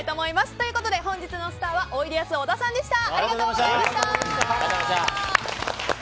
ということで、本日のスターおいでやす小田さんでした！